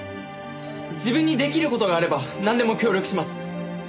自分にできる事があればなんでも協力します。